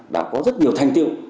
đã có rất nhiều thành tiệu